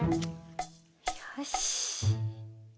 よし！